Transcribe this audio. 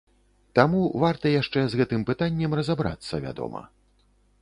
Таму варта яшчэ з гэтым пытаннем разабрацца, вядома.